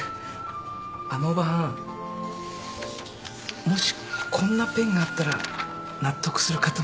あのおばはんもしこんなペンがあったら納得するかと思いまして。